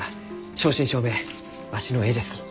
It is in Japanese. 正真正銘わしの絵ですき。